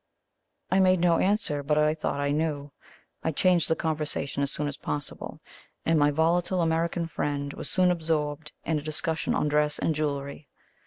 I made no answer; but I thought I knew. I changed the conversation as soon as possible, and my volatile American friend was soon absorbed in a discussion on dress and jewellery.